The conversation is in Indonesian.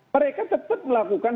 mereka tetap melakukan